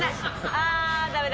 ああダメだ。